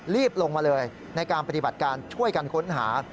รีบลงมาเลยในการปฏิบัติการช่วยกันค้นหา